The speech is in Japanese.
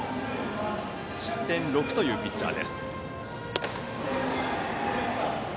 失点６というピッチャーです。